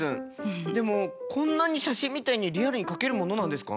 でもこんなに写真みたいにリアルに描けるものなんですか？